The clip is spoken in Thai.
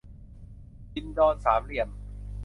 ดินดอนสามเหลี่ยม